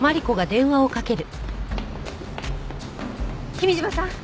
君嶋さん！